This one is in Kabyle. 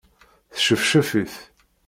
Sčefčef-it.